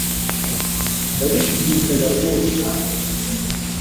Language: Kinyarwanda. Ndabishidikanya rwose